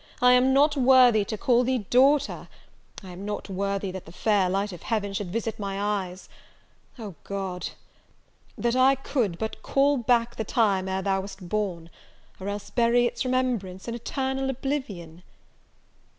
I am not worthy to call thee daughter! I am not worthy that the fair light of Heaven should visit my eyes! Oh God! that I could but call back the time ere thou wast born, or else bury its remembrance in eternal oblivion!"